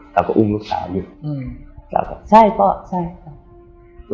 แล้วก็อุ้มลูกสาวดูแล้วก็ใช่ป่ะใช่ป่ะ